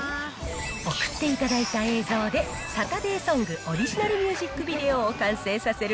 送っていただいた映像で、サタデーソングオリジナルミュージックビデオを完成させる